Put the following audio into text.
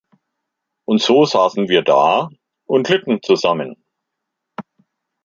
Und so saßen wir da und litten zusammen.